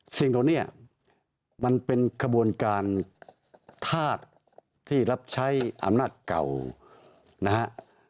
สิ่งเหล่านี้มันเป็นขบวนการธาตุที่รับใช้อำนาจเก่านะฮะ